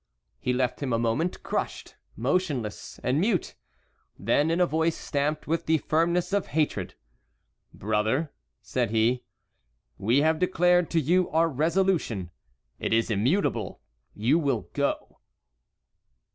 He left him a moment, crushed, motionless, and mute; then in a voice stamped with the firmness of hatred: "Brother," said he, "we have declared to you our resolution; it is immutable. You will go."